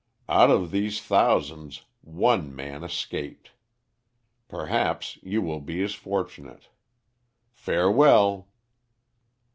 Out of these thousands one man escaped. Perhaps you will be as fortunate. Farewell!'